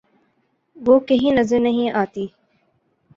وہ کہیں نظر نہیں آتی۔